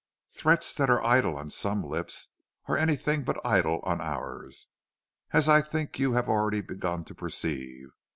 "Threats that are idle on some lips are anything but idle on ours, as I think you have already begun to perceive.